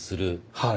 はい。